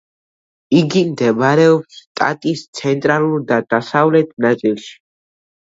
იგი მდებარეობს შტატის ცენტრალურ და დასავლეთ ნაწილში.